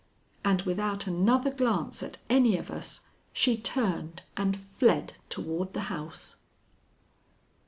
And without another glance at any of us she turned and fled toward the house.